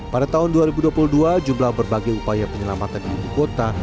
pada tahun dua ribu dua puluh dua jumlah berbagai upaya penyelamatan di ibu kota